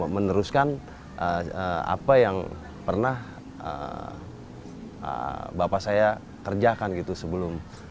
meneruskan apa yang pernah bapak saya kerjakan gitu sebelum